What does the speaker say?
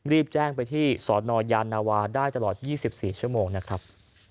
รีบแจ้งไปที่สนยานาวาได้ตลอด๒๔ชั่วโมงนะครับ